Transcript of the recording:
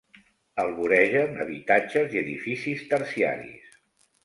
El voregen habitatges i edificis terciaris.